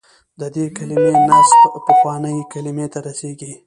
د دې کلمې نسب پخوانۍ کلمې ته رسېږي.